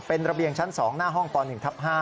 เป็นระเบียงชั้น๒หน้าห้องป๑ทับ๕